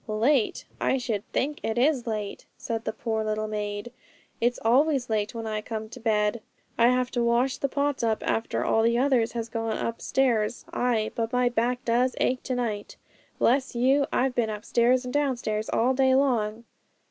'Late? I should think it is late,' said the poor little maid; 'it's always late when I come to bed. I have to wash the pots up after all the others has gone upstairs; ay! but my back does ache to night! Bless you! I've been upstairs and downstairs all day long.'